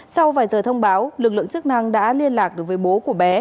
sau vài giờ thông báo lực lượng chức năng đã liên lạc được với bố của bé